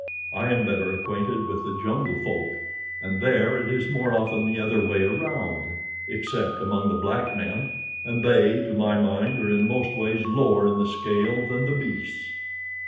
"I am better acquainted with the jungle folk, and there it is more often the other way around, except among the black men, and they to my mind are in most ways lower in the scale than the beasts.